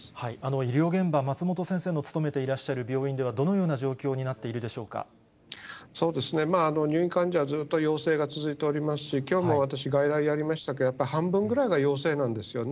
医療現場、松本先生の勤めていらっしゃる病院では、どのような状況になってそうですね、入院患者、ずっと陽性が続いておりますし、きょうも私、外来やりましたけれども、やっぱり半分ぐらいが陽性なんですよね。